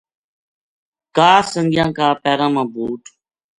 کا سنگیاں کا پیراں ما بُوٹ